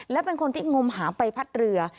และเป็นคนที่งมหาใบพัดเรือ